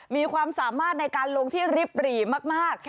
มีความสามารถในการลงที่ริบหรี่มาก